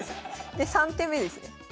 で３手目ですね。